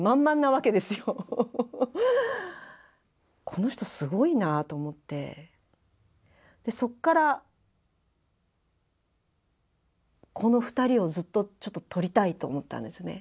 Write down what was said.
この人すごいなぁと思ってそっからこの２人をずっとちょっと撮りたいと思ったんですね。